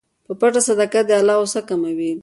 په پټه صدقه د الله غصه کموي.